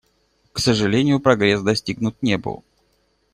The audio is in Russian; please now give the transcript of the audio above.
К сожалению, прогресс достигнут не был.